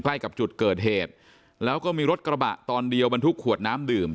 ใกล้กับจุดเกิดเหตุแล้วก็มีรถกระบะตอนเดียวบรรทุกขวดน้ำดื่ม